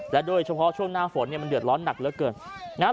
โดยเฉพาะช่วงหน้าฝนเนี่ยมันเดือดร้อนหนักเหลือเกินนะฮะ